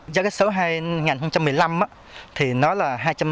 giá cá sấu hai nghìn một mươi năm thì nó là hai trăm bốn mươi